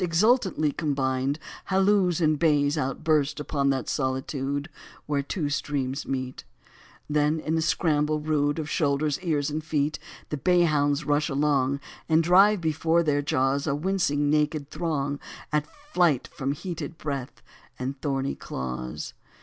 Exultantly combined, Halloes and bays outburst Upon that solitude Where two streams meet : Then in a scramble rude Of shoulders, ears, and feet The banhounds rush along, And drive before their jaws A wincing, naked throng At flight from heated breath and thorny claws.